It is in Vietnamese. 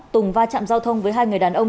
tùng va chạm giao thông với hai người đàn ông